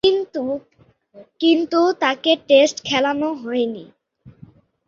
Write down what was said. কিন্তু, তাকে টেস্ট খেলানো হয়নি।